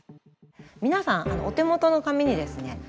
皆さんお手元の紙にですね